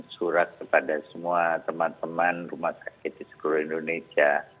surat kepada semua teman teman rumah sakit di seluruh indonesia